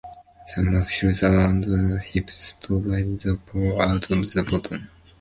The muscles around the hips provide the power out of the bottom.